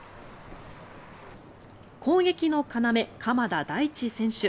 攻撃の要、鎌田大地選手。